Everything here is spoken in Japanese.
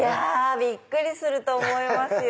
びっくりすると思いますよ